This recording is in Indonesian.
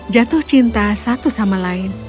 jatuh cinta satu sama lain